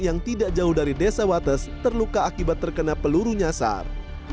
yang tidak jauh dari desa wates terluka akibat terkena peluru nyasar